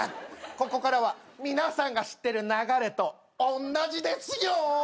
ここからは皆さんが知ってる流れとおんなじですよ！